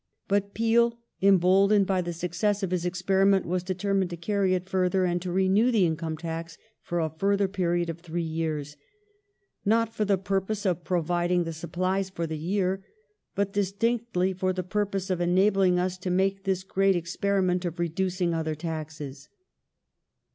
But Peel, emboldened by the suc cess of his experiment, was determined to carry it further and to renew the income tax for a fui ther period of three yeai s —" not for the purpose of providing the supplies for the year, but distinctly for the purpose of enabling us to make this great experiment of reducing other taxes".